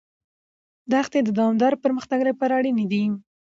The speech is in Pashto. دښتې د دوامداره پرمختګ لپاره اړینې دي.